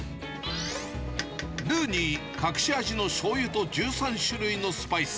ルーに隠し味のしょうゆと１３種類のスパイス。